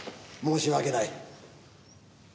申し訳ない。